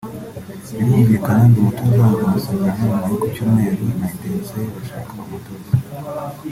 Birumvikana ndi umutoza uzarangiza amasezerano nyuma yo ku Cyumweru na Etincelles irashaka umutoza